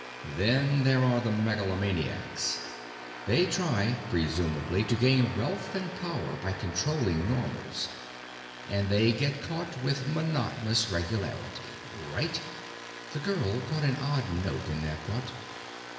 _ _Then there are the megalomaniacs. They try, presumably, to gain wealth and power by controlling Normals. And they get caught with monotonous regularity. Right?_ The girl caught an odd note in that thought.